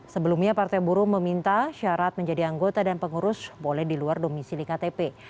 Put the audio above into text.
sebelumnya partai buruh meminta syarat menjadi anggota dan pengurus boleh di luar domisi di ktp